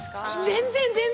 全然全然！